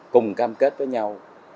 cùng cam kết với nhau